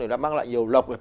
để mang lại nhiều lọc